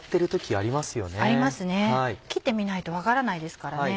ありますね切ってみないと分からないですからね。